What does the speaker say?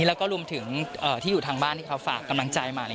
แล้วก็รวมถึงที่อยู่ทางบ้านที่เขาฝากกำลังใจมา